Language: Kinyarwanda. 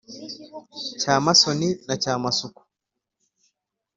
cyamasoni na cyamasuku